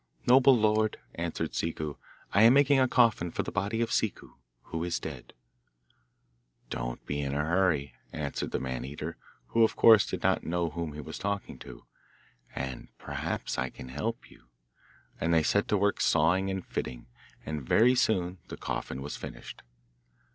'Noble lord,' answered Ciccu, 'I am making a coffin for the body of Ciccu, who is dead.' 'Don't be in a hurry,' answered the Man eater, who of course did not know whom he was talking to, 'and perhaps I can help you;' and they set to work sawing and fitting, and very soon the coffin was finished.